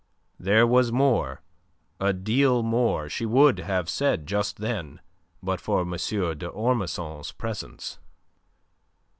There was more, a deal more, she would have said just then, but for M. d'Ormesson's presence.